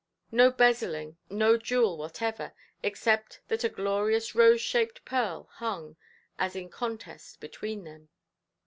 No bezilling, no jewel whatever, except that a glorious rose–shaped pearl hung, as in contest, between them.